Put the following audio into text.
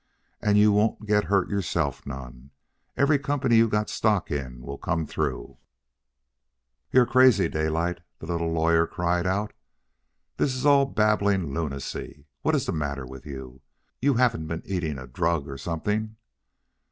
And you won't get hurt yourself none. Every company you got stock in will come through " "You are crazy, Daylight!" the little lawyer cried out. "This is all babbling lunacy. What is the matter with you? You haven't been eating a drug or something?"